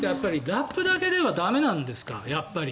ラップだけでは駄目なんですか。